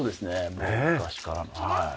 もう昔からはい。